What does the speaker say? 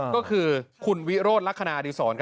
ก็คือคุณวิโรธลักษณะอดีศร